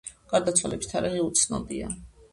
გარდაცვალების თარიღი უცნობია.